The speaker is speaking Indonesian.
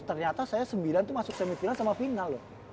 ternyata saya sembilan tuh masuk semifinal sama final loh